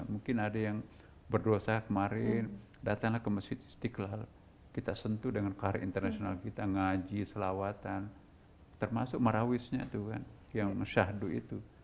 mungkin ada yang berdosa kemarin datanglah ke masjid istiqlal kita sentuh dengan karir internasional kita ngaji selawatan termasuk marawisnya itu kan yang syahdu itu